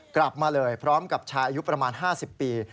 กลับมาเลยพร้อมกับชายอายุประมาณ๕๐ปี